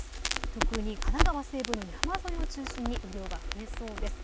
特に神奈川西部の山沿いを中心に雨量が増えそうです。